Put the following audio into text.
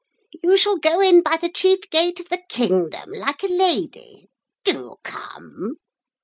You shall go in by the chief gate of the kingdom, like a lady. Do come.'